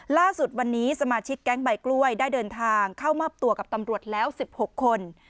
ล่าสุดวันนี้สมาชิกแก๊งใบกล้วยได้เดินทางเข้ามอบตัวกับตำรวจแล้ว๑๖คน